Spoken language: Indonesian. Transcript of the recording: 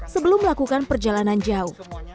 sebelum melakukan perjalanan jauh